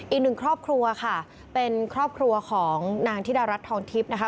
อีกหนึ่งครอบครัวค่ะเป็นครอบครัวของนางธิดารัฐทองทิพย์นะคะ